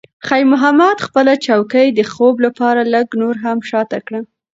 خیر محمد خپله چوکۍ د خوب لپاره لږ نوره هم شاته کړه.